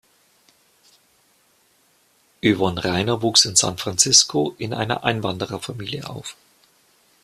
Yvonne Rainer wuchs in San Francisco in einer Einwandererfamilie auf.